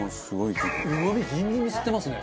うまみギンギンに吸ってますね。